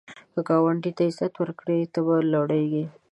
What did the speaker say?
که ګاونډي ته عزت ورکړې، ته به لوړیږې